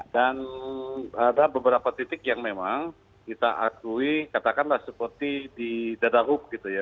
dan ada beberapa titik yang memang kita akui katakanlah seperti di dadahub gitu ya